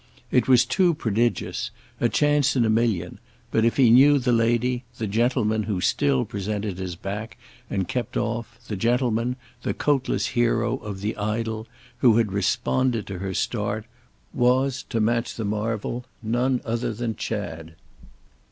It was too prodigious, a chance in a million, but, if he knew the lady, the gentleman, who still presented his back and kept off, the gentleman, the coatless hero of the idyll, who had responded to her start, was, to match the marvel, none other than Chad.